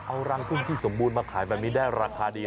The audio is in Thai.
เอารังปุ้งที่สมบูรณ์มาขายมันมีได้ราคาดี